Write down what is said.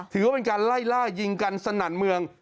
ถือว่าเป็นการไล่ล่ายิงกันสนั่นเมือง